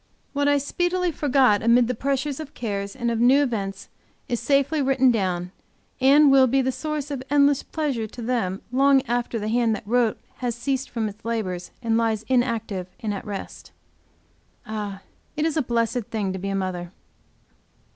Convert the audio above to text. What I speedily forgot amid the pressure of cares and of new events is safely written down, and will be the source of endless pleasure to them long after the hand that wrote has ceased from its labors, and lies inactive and at rest. Ah, it is a blessed thing to be a mother!